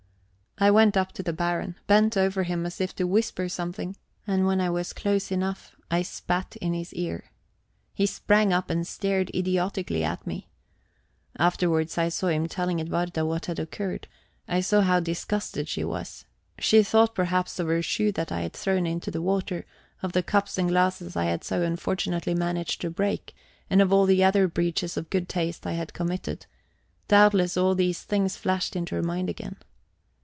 I went up to the Baron, bent over him as if to whisper something and when I was close enough, I spat in his ear. He sprang up and stared idiotically at me. Afterwards I saw him telling Edwarda what had occurred; I saw how disgusted she was. She thought, perhaps, of her shoe that I had thrown into the water, of the cups and glasses I had so unfortunately managed to break, and of all the other breaches of good taste I had committed; doubtless all those things flashed into her mind again.